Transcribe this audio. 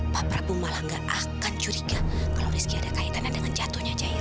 pak prabu malah tidak akan curiga kalau ada kaitan dengan jatuhnya jair